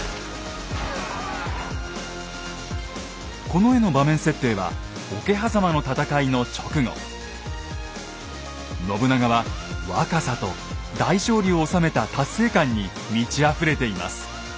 この絵の場面設定は信長は若さと大勝利を収めた達成感に満ちあふれています。